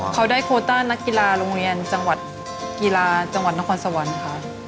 เขาได้โควต้านักกีฬาโรงงานกีฬาจังหวัดนครสวันด์